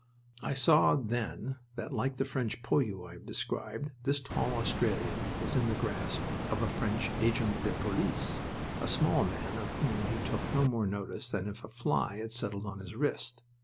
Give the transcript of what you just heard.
I saw then that, like the French poilu I have described, this tall Australian was in the grasp of a French agent de police, a small man of whom he took no more notice than if a fly had settled on his wrist.